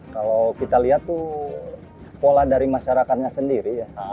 kalau kita lihat tuh pola dari masyarakatnya sendiri